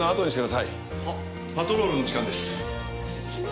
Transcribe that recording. パトロールの時間です。